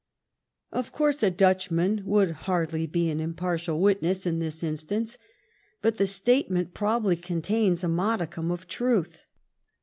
Of course a Dutch man would hardly be an impartial witness in this instance, but the statement probably contains a modicum of truth.